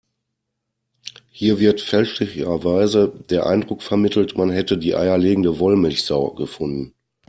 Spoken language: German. Hier wird fälschlicherweise der Eindruck vermittelt, man hätte die eierlegende Wollmilchsau gefunden.